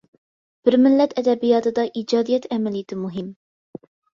بىر مىللەت ئەدەبىياتىدا ئىجادىيەت ئەمەلىيىتى مۇھىم.